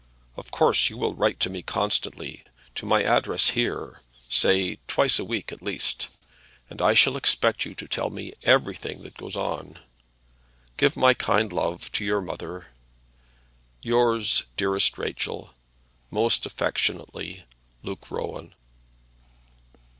Of course you will write to me constantly, to my address here; say, twice a week at least. And I shall expect you to tell me everything that goes on. Give my kind love to your mother. Yours, dearest Rachel, Most affectionately, LUKE ROWAN.